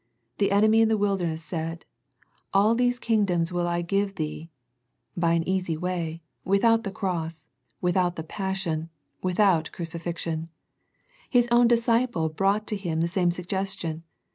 The enemy in the wilderness said "All these kingdoms will I give Thee'* by an easy way, without the Cross, without the passion, without crucifixion. His own disci ple brought to Him the same suggestion.